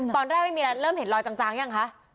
ไม่มีอะไรเริ่มเห็นรอยจางยังคะ